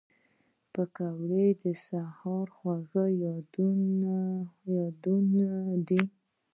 پکورې د سهر خوږې یادونې دي